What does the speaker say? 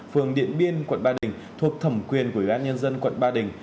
phường điện biên quận ba đình thuộc thẩm quyền của ủy ban nhân dân quận ba đình